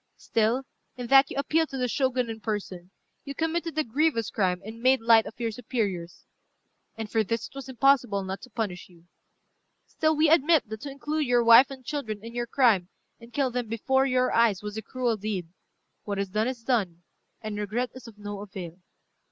Still, in that you appealed to the Shogun in person, you committed a grievous crime, and made light of your superiors; and for this it was impossible not to punish you. Still we admit that to include your wife and children in your crime, and kill them before your eyes, was a cruel deed. What is done, is done, and regret is of no avail.